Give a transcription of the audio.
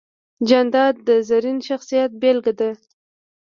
جانداد د زرین شخصیت بېلګه ده.